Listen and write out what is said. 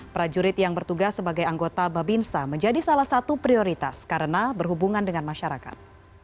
prajurit yang bertugas sebagai anggota babinsa menjadi salah satu prioritas karena berhubungan dengan masyarakat